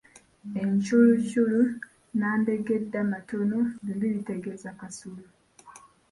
Encuuluculu n'ambegeddematono byombi bitegeeza Kasulu.